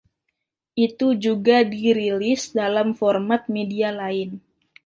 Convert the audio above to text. Itu juga dirilis dalam format media lain.